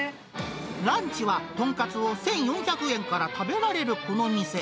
ランチは豚カツを１４００円から食べられるこの店。